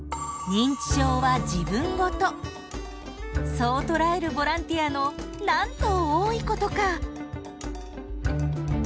そう捉えるボランティアのなんと多いことか！